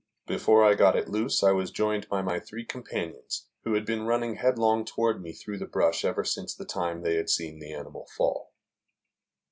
Before I got it loose I was joined by my three companions, who had been running headlong toward me through the brush ever since the time they had seen the animal fall.